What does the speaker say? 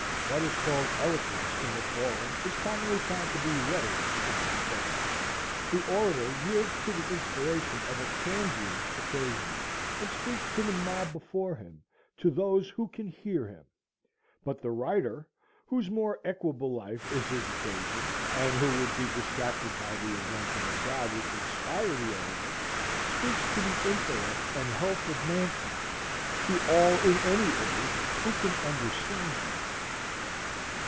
What is called eloquence in the forum is commonly found to be rhetoric in the study. The orator yields to the inspiration of a transient occasion, and speaks to the mob before him, to those who can hear him; but the writer, whose more equable life is his occasion, and who would be distracted by the event and the crowd which inspire the orator, speaks to the intellect and health of mankind, to all in any age who can understand him.